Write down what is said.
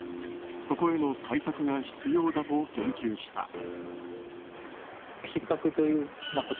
そこへの対策が必要だと言及した。